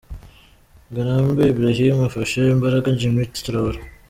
Ngarambe Ibrahim afashe Mbaraga Jimmy Traore .